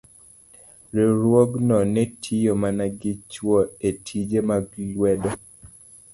riwruogno ne tiyo mana gi chwo e tije mag lwedo.